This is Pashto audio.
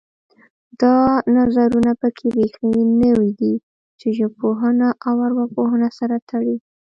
دا نظرونه پکې بیخي نوي دي چې ژبپوهنه او ارواپوهنه سره تړي